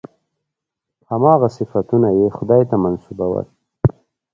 هماغه صفتونه یې خدای ته منسوبول.